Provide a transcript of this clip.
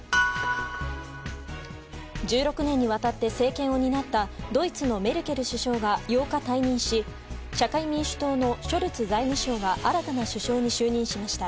１６年にわたって政権を担ったドイツのメルケル首相が８日、退任し社会民主党のショルツ財務相が新たな首相に就任しました。